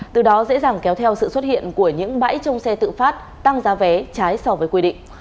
từ đó dễ dàng kéo theo sự xuất hiện của những bãi trong xe tự phát tăng giá vé trái so với quy định